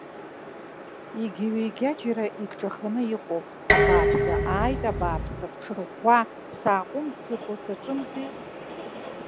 Егьаҩы егьаџьара игҿаханы иҟоуп, абааԥсы, ааит, абааԥсы, бҽырӷәӷәа, сааҟәмҵӡакәа саҿымзи.